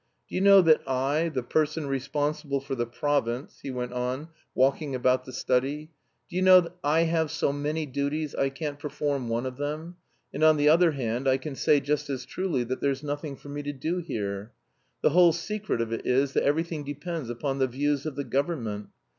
"Do you know that I, the 'person responsible for the province,'" he went on, walking about the study, "do you know I have so many duties I can't perform one of them, and, on the other hand, I can say just as truly that there's nothing for me to do here. The whole secret of it is, that everything depends upon the views of the government.